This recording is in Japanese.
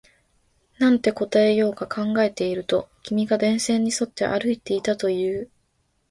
なんて答えようか考えていると、君が電線に沿って歩いていたと言う